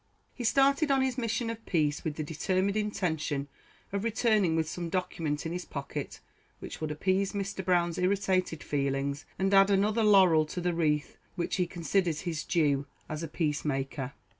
He started on his mission of peace with the determined intention of returning with some document in his pocket which would appease Mr. Brown's irritated feelings, and add another laurel to the wreath which he considered his due as a peace maker.